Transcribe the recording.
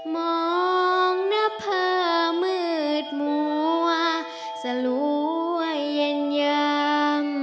มองหน้าเพลิงมืดมัวสะล้วยเย็นยำ